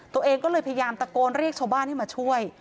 ตัวเองก็เลยพยายามตะโกนเรียกชาวบ้านให้มาช่วย